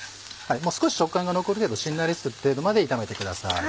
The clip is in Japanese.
少し食感が残るけどしんなりする程度まで炒めてください。